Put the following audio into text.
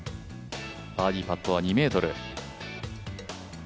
バーディーパットは２ｍ。